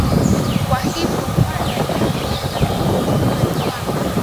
kwa hiyo la kwanza tunaloweza kulisema ni kwamba